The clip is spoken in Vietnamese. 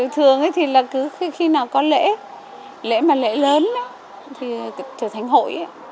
thường thì là cứ khi nào có lễ lễ mà lễ lớn thì trở thành hội